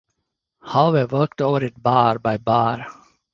How I worked over it bar by bar!